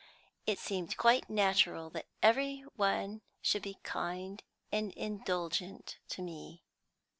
It seemed quite natural that every one should be kind and indulgent to me.